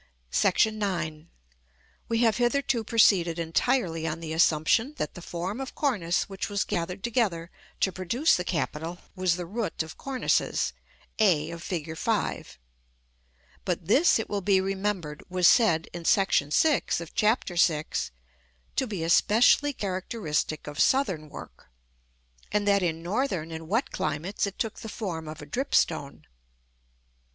§ IX. We have hitherto proceeded entirely on the assumption that the form of cornice which was gathered together to produce the capital was the root of cornices, a of Fig. V. But this, it will be remembered, was said in § VI. of Chap. VI. to be especially characteristic of southern work, and that in northern and wet climates it took the form of a dripstone.